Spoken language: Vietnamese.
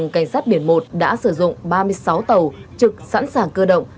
cảnh sát biển một đã sử dụng ba mươi sáu tàu trực sẵn sàng cơ động